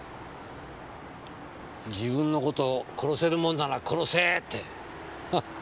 自分の事を殺せるもんなら殺せー！ってハハ。